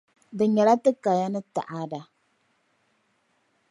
Di nyɛla ti kaya ni taada.